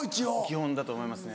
基本だと思いますね。